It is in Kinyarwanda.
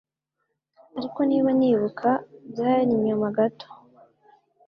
Ariko niba nibuka byari nyuma gato